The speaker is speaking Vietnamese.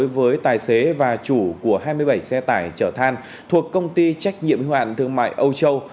với tài xế và chủ của hai mươi bảy xe tải chở than thuộc công ty trách nhiệm hoạn thương mại âu châu